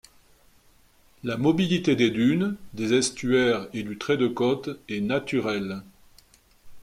La mobilité des dunes, des estuaires et du trait de côte est naturelle.